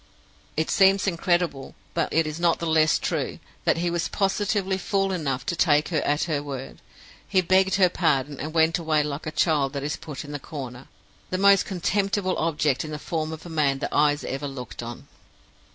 It seems incredible, but it is not the less true, that he was positively fool enough to take her at her word. He begged her pardon, and went away like a child that is put in the corner the most contemptible object in the form of man that eyes ever looked on!